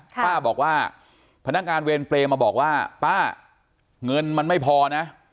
ป้าบอกว่าพนักงานเวรเปรย์มาบอกว่าป้าเงินมันไม่พอนะ